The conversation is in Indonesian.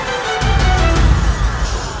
aku akan mencari dia